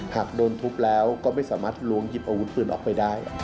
หากโดนทุบแล้วก็ไม่สามารถล้วงหยิบอาวุธปืนออกไปได้